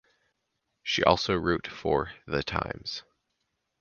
She also wrote for "The Times".